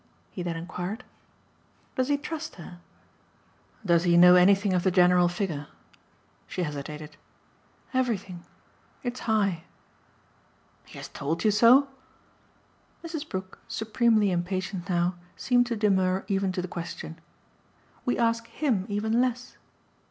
he then enquired. "Does he trust her?" "Does he know anything of the general figure?" She hesitated. "Everything. It's high." "He has told you so?" Mrs. Brook, supremely impatient now, seemed to demur even to the question. "We ask HIM even less."